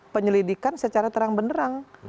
penyelidikan secara terang benerang